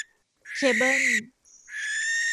เคเบิล